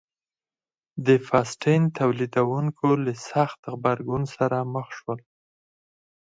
د فاسټین تولیدوونکو له سخت غبرګون سره مخ شول.